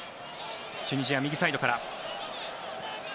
チュニジア、右サイドから。